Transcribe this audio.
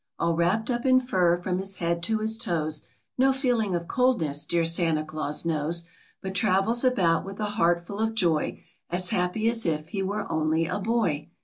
All wrapped up in fur from his head to his toes, No feeling of coldness dear Santa Claus knows, But travels about with a heart full of joy, As happy as if he were only a boy.